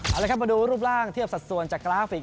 เอาละครับมาดูรูปร่างเทียบสัดส่วนจากกราฟิก